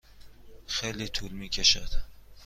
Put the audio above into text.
خیلی طول می کشد.